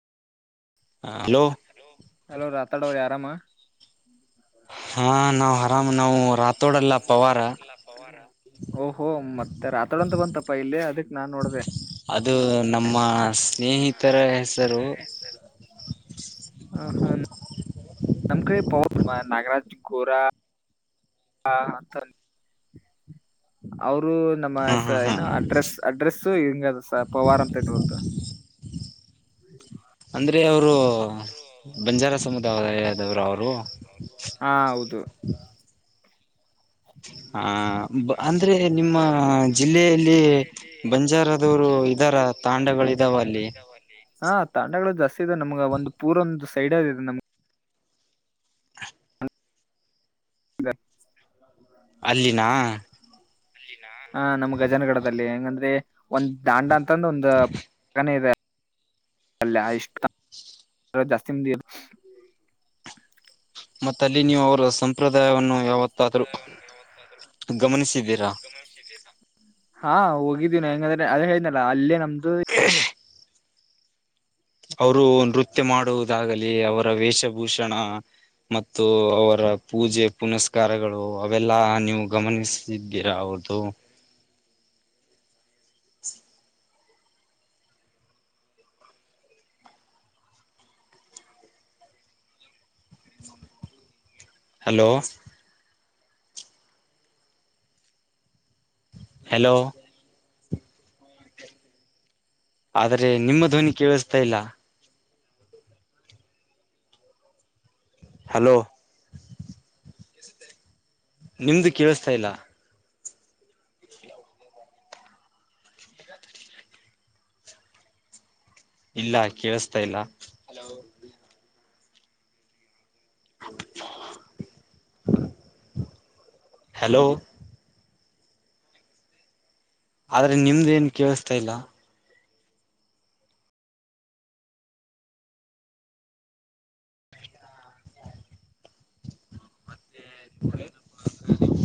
ಹ hello hello ರಾತಾಡ ಅವ್ರು ಯಾರಾಮ ಹಾ ನಾವ್ ಹಾ ಆರಾಮ್ ನಾವು ನಾವ್ ರಾತೋಡಲ್ಲ ನಾವು ಪವಾರ ರಾಕೋಡ್ಲ್ಲ ಪವಾರ ಓಹೋ ಮತ್ತೆ ರಾಠೋಡ ಅಂತ ಬಂತಪ್ಪಾ ಇಲ್ಲಿ ಅದಕ್ ನಾನ್ ನೋಡ್ದ ಅದು ನಮ್ಮ ಹಾ ಸ್ನೇಹಿತರ ಸ್ನೇಹಿತರ ಹೆಸರು ಹೆಸರು ಹ ಹ್ಮ ನಮ್ ಕಡೆ ಪ ನಾಗರಾಜ್ ಗೋರಾ ಹ ಅವರು ನಮ್ಮ ಹಾ ಹಾ ಸ ಹಾ ಏನೋ ಅಡ್ರೆಸ್ ಅಡ್ರೆಸ್ಸು ಹಿಂಗ ಪವಾರ್ ಅಂತ ಇಟ್ಟರಂತ ಅಂದ್ರೆ ಅವರು ಅವರು ಬಂಜಾರ ಬಂಜಾರ ಸಮುದಾಯದವರು ಸಂಪ್ರದಾಯ ಅವರು ಹಾ ಹೌದು ಹ ಅಂದ್ರೆ ಹ ನಿಮ್ಮ ಅಂದ್ರೆ ನಿಮ್ಮ ಜಿಲ್ಲೆಯಲ್ಲಿ ಜಿಲ್ಲೆಯಲ್ಲಿ ಬಂಜಾರದವರು ಇದ್ದಾರ ಬಂಜಾರದವರು ಇದರ ತಾಂಡಗಳ ಇದಾವ ಅಲ್ಲಿ ತಾಂಡಗಳಿದಾವ ಅಲ್ಲಿ ಹಾ ತಾಂಡಗಳು ಜಾಸ್ತಿ ಇದೆ ನಮ್ಗ ಒಂದು ಪೂರ್ ಒಂದು ಸೈಡ್ ಅದ ಇದೆ ನಮ್ಗೆ [inaudible] ಅಲ್ಲಿನಾ ಹ ನಮ್ ಗಜೇಂದ್ರಗಡದಲ್ಲಿ ಹೆಂಗಂದ್ರೆ ಒಂದ್ ತಾಂಡ ಅಂತಂದ ಒಂದ ಹಾಗ ಇದೆ ಅಷ್ಟು ಜಾಸ್ತಿ ಮತ್ತ ಅಲ್ಲಿ ನೀವು ಅವರ ಸಂಪ್ರದಾಯವನ್ನು ಯಾವತ್ತಾದರೂ ಗಮನಿಸಿದ್ದೀರಾ [inaudible] ಹಾ ಹೋಗಿದ್ದೀನ ಹೆಂಗಂದ್ರೆ ಅದದು ಹೇಳ್ದನ ಅಲ್ಲೇ ನಮ್ದು ಹ ಅವರು ನೃತ್ಯ ಮಾಡುವುದಾಗಲಿ ಅವರ ವೇಷಭೂಷಣ ಮತ್ತು ಅವರ ಪೂಜೆ ಪುನಸ್ಕಾರಗಳು ಅವೆಲ್ಲಾ ನೀವು ಗಮನಿಸಿ ಗಮನಿಸಿದ್ದೀರಾ ಅವರದು ಹಲೋ ಹಲೋ ಆದ್ರೆ ನಿಮ್ಮ ಧ್ವನಿ ಕೇಳಿಸ್ತಾ ಇಲ್ಲ ಹಲೋ ನಿಮ್ದು ಕೇಳಿಸತಾ ಇಲ್ಲ ಇಲ್ಲ ಕೇಳಸ್ತಾ ಇಲ್ಲ ಹಲೋ ಹಲೋ ಆದರೆ ನಿಮ್ಮದು ಏನು ಕೇಳಸ್ತಿಲ ಮತ್ತೆ ಮುಂದೆ